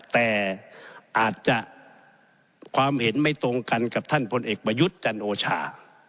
แต่อาจจะความเห็นไม่ตรงกันกับท่านพลเอกประยุทธ์จันโอชา